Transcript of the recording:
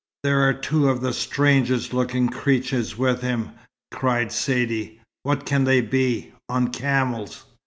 "There are two of the strangest looking creatures with him!" cried Saidee. "What can they be on camels!"